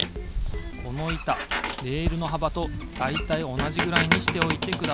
このいたレールのはばとだいたいおなじぐらいにしておいてください。